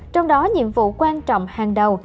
trong đó nhiệm vụ quan trọng hàng đầu